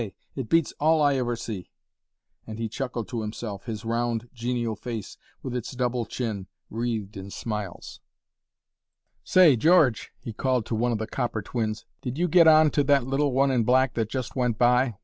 it beats all I ever see," and he chuckled to himself, his round, genial face, with its double chin, wreathed in smiles. "Say, George!" he called to one of the 'copper twins,' "did you get on to that little one in black that just went by well!